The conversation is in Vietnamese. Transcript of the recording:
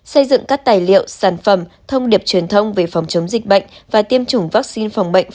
xây dựng các tài liệu sản phẩm thông điệp truyền thông về phòng chống dịch bệnh và tiêm chủng vaccine phòng bệnh